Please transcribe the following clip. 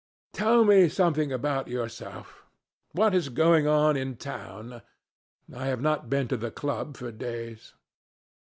Tell me something about yourself. What is going on in town? I have not been to the club for days."